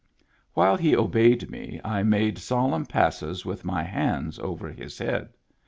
While he obeyed me I made solemn passes with my hands over his head.